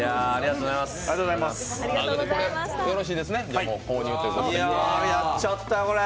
うわ、やっちゃったよ、これ。